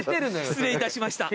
失礼いたしました。